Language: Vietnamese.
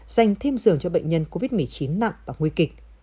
dành thêm giường cho bệnh nhân covid một mươi chín nặng và nguy kịch